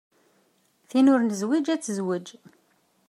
Tin ur nezwij ad tezwej.